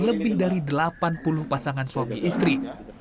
lebih dari delapan puluh pasangan suami istri